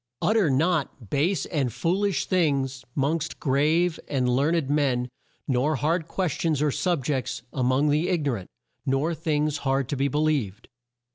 "Ut ter not base and fool ish things 'mongst grave and learn ed men; nor hard ques tions or sub jects a mong the ig no rant; nor things hard to be believed.